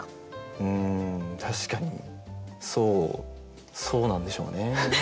うん確かにそうなんでしょうね。